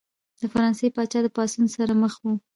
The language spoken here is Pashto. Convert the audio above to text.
د فرانسې پاچاهي د پاڅون سره مخ وه.